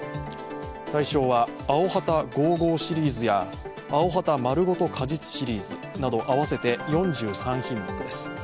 対象はアヲハタ５５シリーズやアヲハタまるごと果実シリーズなど合わせて４３品目です。